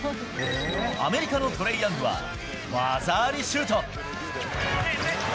アメリカのトレイ・ヤングは技ありシュート。